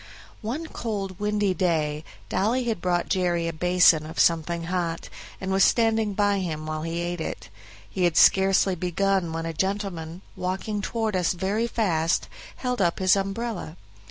One cold windy day Dolly had brought Jerry a basin of something hot, and was standing by him while he ate it. He had scarcely begun when a gentleman, walking toward us very fast, held up his umbrella.